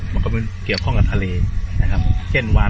สวัสดีครับคุณผู้ชาย